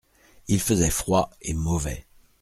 Il faisait froid et mauvais.